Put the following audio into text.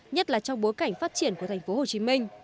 nhất là trong bối cảnh phát triển của tp hcm